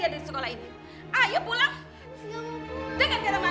itukah allah sendiri